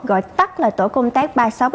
gọi tắt là tổ công tác ba trăm sáu mươi ba